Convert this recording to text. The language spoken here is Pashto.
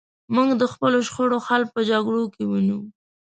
موږ د خپلو شخړو حل په جګړو کې وینو.